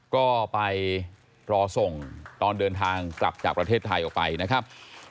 ก็ไปรอส่งตอนเดินทางกลับจากประเทศไทยออกไปนะครับ